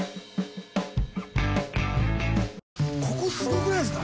ここすごくないですか？